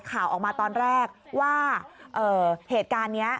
ข่าวออกมาตอนแรกว่าเหตุการณ์นี้